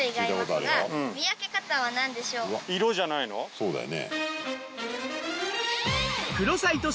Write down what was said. そうだよね。